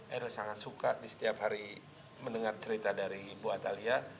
eril sangat suka di setiap hari mendengar cerita dari ibu atalia